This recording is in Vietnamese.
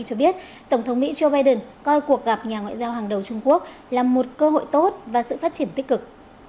cho biết tổng thống mỹ joe biden coi cuộc gặp nhà ngoại giao hàng đầu trung quốc là một cơ hội tốt và sự phát triển tích cực